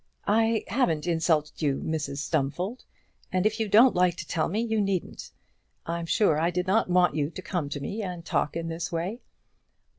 "I haven't insulted you, Mrs Stumfold. And if you don't like to tell me, you needn't. I'm sure I did not want you to come to me and talk in this way."